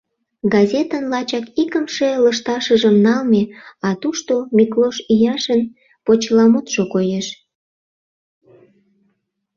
Газетын лачак икымше лышташыжым налме, а тушто Миклош Ийашын почеламутшо коеш.